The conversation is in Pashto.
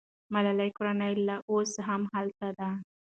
د ملالۍ کورنۍ لا اوس هم هلته ده.